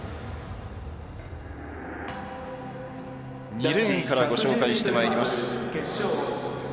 ２レーンから紹介していきます。